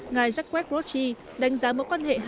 ngài jacques rochy đánh giá mối quan hệ